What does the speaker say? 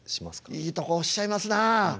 いいとこおっしゃいますなあ。